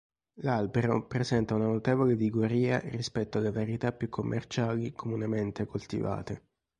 L'albero presenta una notevole vigoria rispetto alle varietà più commerciali comunemente coltivate.